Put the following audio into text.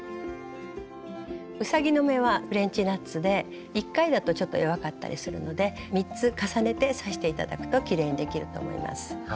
うさぎの目はフレンチノットで１回だとちょっと弱かったりするので３つ重ねて刺して頂くときれいにできると思います。